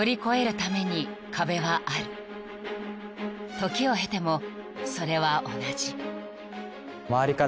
［時を経てもそれは同じ］